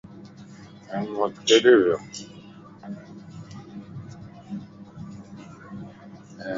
احمد ڪٿي ويو.